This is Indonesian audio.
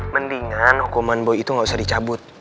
mendingan hukuman boy itu nggak usah dicabut